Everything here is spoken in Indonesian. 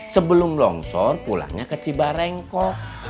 sebelum longsor pulangnya ke cibarengkok